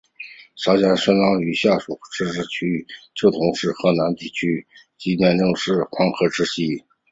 辖境相当今宁夏回族自治区青铜峡市河西地区及永宁县西南部黄河之西。